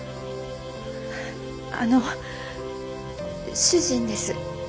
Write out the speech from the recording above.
あの主人です。